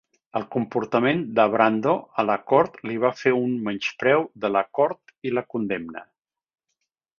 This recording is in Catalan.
El comportament de Brando a la cort li va fer un menyspreu de la cort i la condemna.